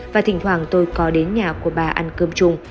và thỉnh thoảng tôi có đến nhà của bà ăn cơm trung